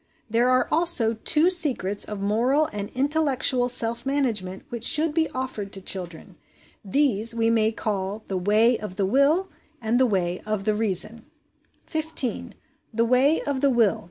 There are also two secrets of moral and intellectual self management which should be offered to children ; these we may call the Way of the Will and the Way of the Reason. 15. The Way of the Will.